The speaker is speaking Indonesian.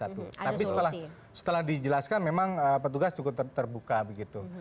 tapi setelah dijelaskan memang petugas cukup terbuka begitu